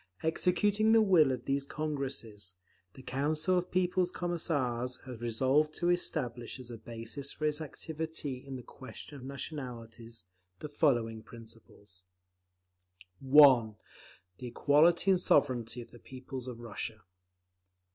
Executing the will of these Congresses, the Council of People's Commissars has resolved to establish as a basis for its activity in the question of Nationalities, the following principles: (1) The equality and sovereignty of the peoples of Russia.